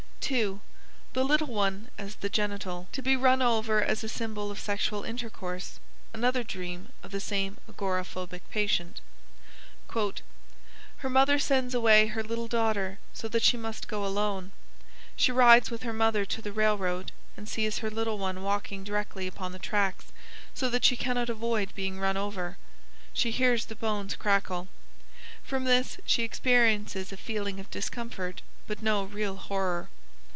2. The little one as the genital to be run over as a symbol of sexual intercourse (another dream of the same agoraphobic patient). "Her mother sends away her little daughter so that she must go alone. She rides with her mother to the railroad and sees her little one walking directly upon the tracks, so that she cannot avoid being run over. She hears the bones crackle. (From this she experiences a feeling of discomfort but no real horror.)